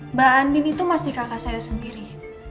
mbak andi itu masih kakak saya sendiri